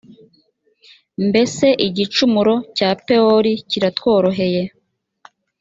mbese igicumuro cya pewori kiratworoheye